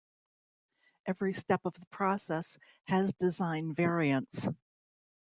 Every step of the process has design variants.